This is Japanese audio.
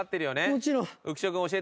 もちろん。